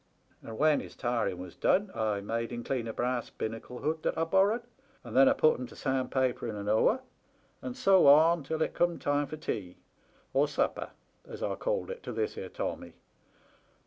And when his tarring was done I made him clean a brass binnacle hood that I'd borrowed, and then I put him to sandpapering an oar, and so on till it come time for tea or * supper,' as I called it, to this here Tommy.